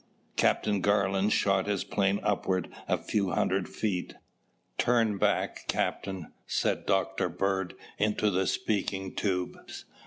Captain Garland shot his plane upward a few hundred feet. "Turn back, Captain," said Dr. Bird into the speaking tube.